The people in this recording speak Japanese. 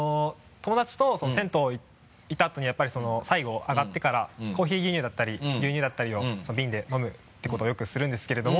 友達と銭湯行った後に最後あがってからコーヒー牛乳だったり牛乳だったりをビンで飲むっていうことをよくするんですけれども。